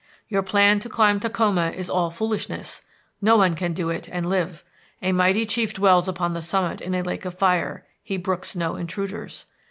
"Your plan to climb Takhoma is all foolishness. No one can do it and live. A mighty chief dwells upon the summit in a lake of fire. He brooks no intruders.